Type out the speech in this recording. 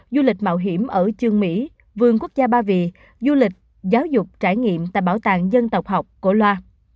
du lịch mạo hiểm ở trương mỹ vườn quốc gia ba vì du lịch giáo dục trải nghiệm tại bảo tàng dân tộc học cổ loa